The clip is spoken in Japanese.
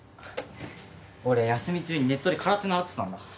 俺休み中にネットで空手習ってたんだ。